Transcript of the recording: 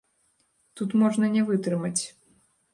Тут можна не вытрымаць.